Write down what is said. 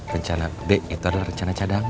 rencana b itu adalah rencana cadang